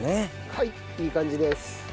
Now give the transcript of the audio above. はいいい感じです。